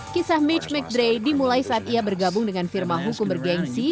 kisah mitch mcdray dimulai saat ia bergabung dengan firma hukum bergensi